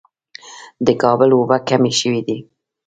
د کابل اوبه کمې شوې دي